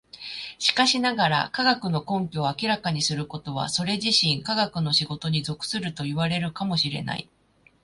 しかしながら、科学の根拠を明らかにすることはそれ自身科学の仕事に属するといわれるかも知れない。